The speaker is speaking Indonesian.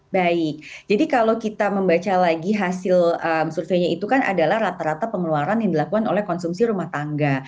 baik jadi kalau kita membaca lagi hasil surveinya itu kan adalah rata rata pengeluaran yang dilakukan oleh konsumsi rumah tangga